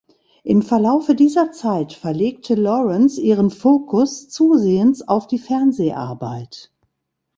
Im Verlaufe dieser Zeit verlegte Lawrence ihren Fokus zusehends auf die Fernseharbeit.